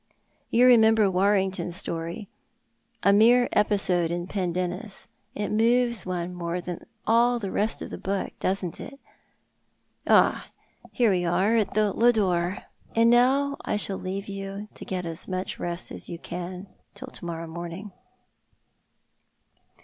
You remember Warrington's story— a mere episode in ' Pendennis.' It moves one more" than all the rest of the book, doesn't it? Ah, here we are at the Lodore ; and now I shall leave you to get as much rest as you can till to morrow morning."